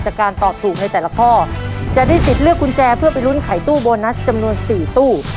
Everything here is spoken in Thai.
จากการตอบถูกในแต่ละข้อจะได้สิทธิ์เลือกกุญแจเพื่อไปลุ้นไขตู้โบนัสจำนวน๔ตู้